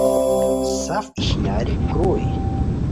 سف اشناری کروئی